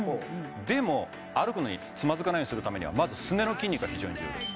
でも歩くのにつまずかないようにするためにはまずすねの筋肉が非常に重要です